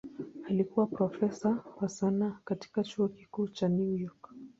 Alikuwa profesa wa sanaa katika Chuo Kikuu cha New York.